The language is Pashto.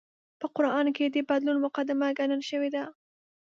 په قران کې د بدلون مقدمه ګڼل شوې ده